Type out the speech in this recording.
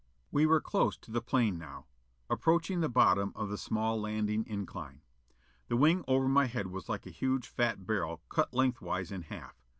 We were close to the plane now, approaching the bottom of the small landing incline. The wing over my head was like a huge fat barrel cut length wise in half.